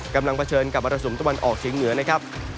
เผชิญกับมรสุมตะวันออกเฉียงเหนือนะครับ